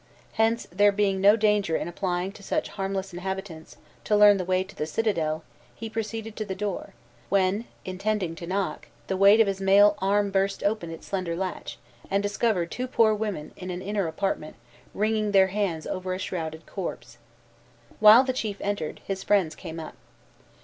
Hence, there being no danger in applying to such harmless inhabitants, to learn the way to the citadel, he proceeded to the door; when, intending to knock, the weight of his mailed arm burst open its slender latch, and discovered two poor women, in an inner apartment, wringing their hands over a shrouded corpse. While the chief entered his friends came up.